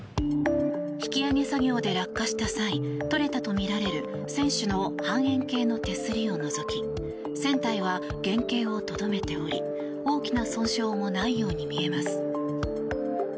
引き揚げ作業で落下した際取れたとみられる船首の半円形の手すりを除き船体は原形をとどめており大きな損傷もないように見えます。